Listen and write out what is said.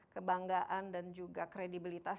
kebanggaan dan juga kredibilitas